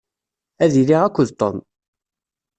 Ad iliɣ akked Tom.